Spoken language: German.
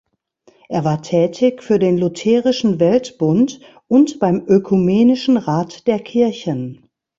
Er war tätig für den Lutherischen Weltbund und beim Ökumenischen Rat der Kirchen.